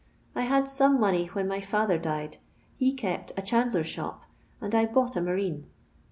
I had some money when my fiitber died — he kept a chandler's shop— and I bought a marine."